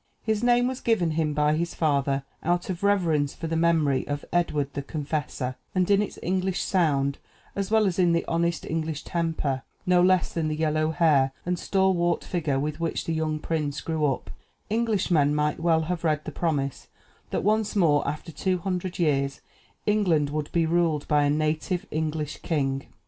His name was given him by his father out of reverence for the memory of Edward the Confessor, and in its English sound, as well as in the honest English temper, no less than the yellow hair and stalwart figure with which the young prince grew up, Englishmen might well have read the promise, that once more, after two hundred years, England would be ruled by a native English king.